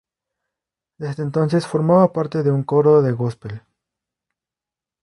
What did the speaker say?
Desde entonces formaba parte de un coro de góspel.